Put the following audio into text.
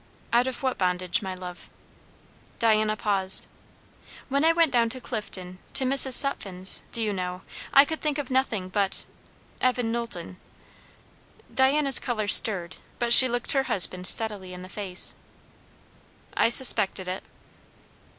"Out of what bondage, my love?" Diana paused. "When I went down to Clifton, to Mrs. Sutphen's, do you know, I could think of nothing but Evan Knowlton?" Diana's colour stirred, but she looked her husband steadily in the face. "I suspected it."